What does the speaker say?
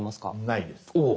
ないです。